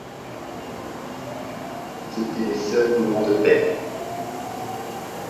C'étaient les seuls moments de paix.